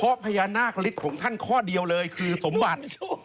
เพราะพญานาคฤทธิ์ของท่านข้อเดียวเลยคือสมบัติ